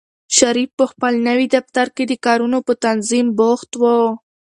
شریف په خپل نوي دفتر کې د کارونو په تنظیم بوخت و.